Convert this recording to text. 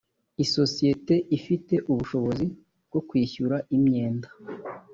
isosiyete ifite ubushobozi bwo kwishyura imyenda